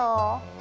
何？